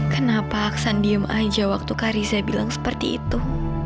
kenapa aksan diem aja waktu kariza bilang seperti itu